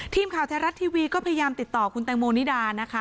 ทีมข่าวไทยรัฐทีวีก็พยายามติดต่อคุณแตงโมนิดานะคะ